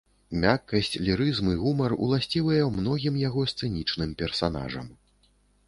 Мяккасць, лірызм і гумар уласцівыя многім яго сцэнічным персанажам.